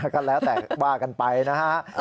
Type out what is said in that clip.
ก็แล้วแต่ว่ากันไปนะฮะ